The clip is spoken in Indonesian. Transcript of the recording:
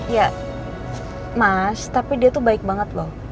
ya mas tapi dia tuh baik banget loh